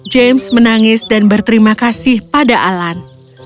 james menangis dan berterima kasih pada alan